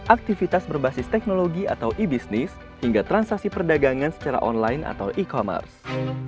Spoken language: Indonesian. aktivitas berbasis teknologi atau e business hingga transaksi perdagangan secara online atau e commerce